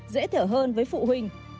dễ thở hơn với phụ huynh